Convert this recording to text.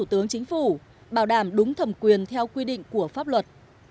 bên thủ tướng chính phủ bảo đảm đúng thầm quyền theo quy định của pháp luật